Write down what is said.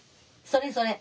それそれ。